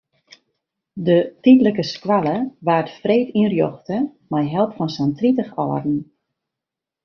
De tydlike skoalle waard freed ynrjochte mei help fan sa'n tritich âlden.